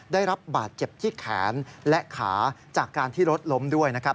ได้รับบาดเจ็บที่แขนและขาจากการที่รถล้มด้วยนะครับ